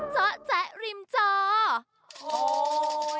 เจาะเจ๊ริมเจาะ